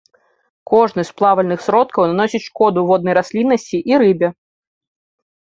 Кожны з плавальных сродкаў наносіць шкоду воднай расліннасці і рыбе.